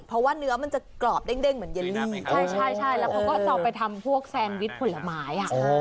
เพราะว่าเนื้อมันจะกรอบเด้งเหมือนเย็นนี่ใช่ใช่ใช่แล้วก็สอบไปทำพวกแซนวิชผลไม้อ๋อ